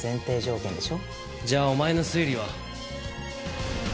じゃあお前の推理は？